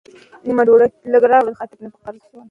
لږ پوهېدل او زیات ږغېدل د انسان ارزښت کموي.